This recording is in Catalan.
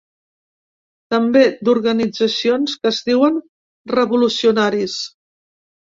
També d’organitzacions que es diuen revolucionaris.